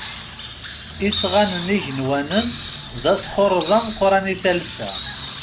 Isɣanen igenwanen d asxurreḍ ameqqran i talsa.